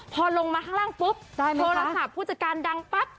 พอลงมาข้างล่างปุ๊บโทรศัพท์ผู้จัดการดังปั๊บ